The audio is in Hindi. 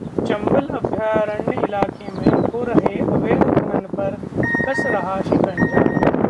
चंबल अभ्यारण्य इलाके में हो रहे अवैध खनन पर कस रहा शिकंजा